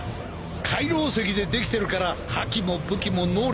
海楼石でできてるから覇気も武器も能力も効かねえ。